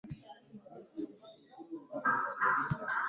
amashusho yabanje gufatwa amajwi guhamagara Zoom